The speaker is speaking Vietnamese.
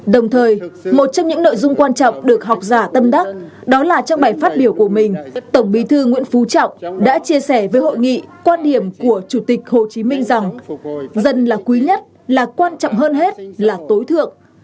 đồng thời một trong những nội dung quan trọng được học giả tâm đắc đó là trong bài phát biểu của mình tổng bí thư nguyễn phú trọng đã chia sẻ với hội nghị quan điểm của chủ tịch hồ chí minh rằng dân là quý nhất là quan trọng hơn hết là tối thượng